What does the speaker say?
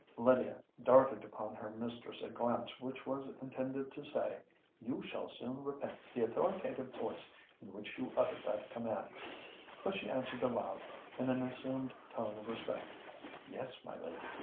Lydia darted upon her mistress a glance which was intended to say—"You shall soon repent the authoritative voice in which you uttered that command;"—but she answered aloud, in an assumed tone of respect, "Yes, my lady."